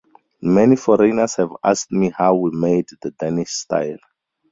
Many foreigners have asked me how we made the Danish style.